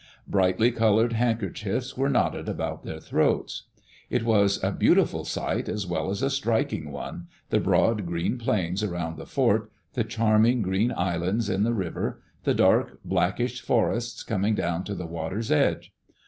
Brightly colored hand kerchiefs were knotted about their throats. It was a beautiful sight as well as a striking one — the broad green plains around the fort, the charming green islands in the river, the dark, blackish forests coming down to the water's edge.